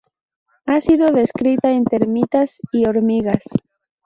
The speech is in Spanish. Ha sido descrita en termitas y hormigas.